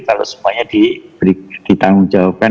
kalau semuanya ditanggung jawabkan